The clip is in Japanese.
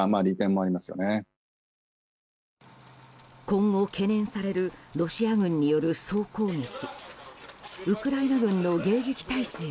今後、懸念されるロシア軍による総攻撃。